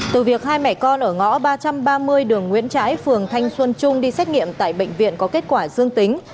từ việc hai mẹ con ở ngõ ba trăm ba mươi đường nguyễn trãi phường thanh xuân trung đi xét nghiệm tại bệnh viện có kết quả dương tính